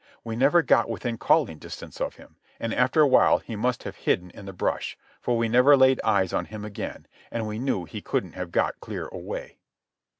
We never got within calling distance of him, and after a while he must have hidden in the brush; for we never laid eyes on him again, and we knew he couldn't have got clear away.